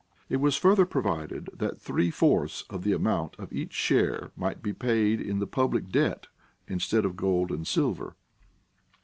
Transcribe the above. It was further provided that three fourths of the amount of each share might be paid in the public debt instead of gold and silver.